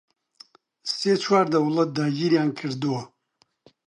سێ چوار دەوڵەت داگیریان کردووە